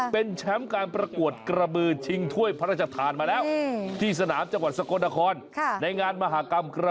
เป็นควายเพศเมียแล้วโปรไฟล์ไม่ธรรมดา